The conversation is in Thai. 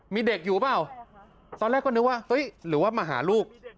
มีเด็กอยู่เปล่าตอนแรกก็นึกว่าเฮ้ยหรือว่ามาหาลูก